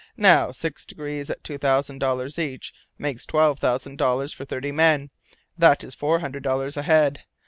Now six degrees at two thousand dollars each makes twelve thousand dollars for thirty men, that is four hundred dollars a head.